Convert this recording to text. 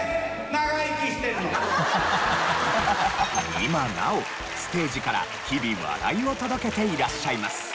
今なおステージから日々笑いを届けていらっしゃいます。